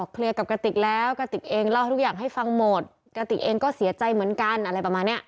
เคลียร์กับกระติกแล้วกระติกเองเล่าให้ทุกอย่างให้ฟังหมดกระติกเองก็เสียใจเหมือนกันอะไรประมาณเนี้ย